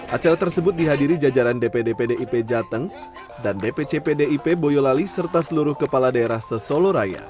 acara tersebut dihadiri jajaran dpd pdip jateng dan dpc pdip boyolali serta seluruh kepala daerah sesoloraya